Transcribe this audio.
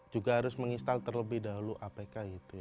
juga harus menginstal terlebih dahulu apk